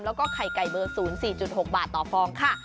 แล้วก็ไข่ไก่เบอร์๐๔๖บาทต่อฟองค่ะ